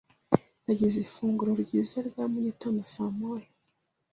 Nagize ifunguro ryiza rya mugitondo saa moya.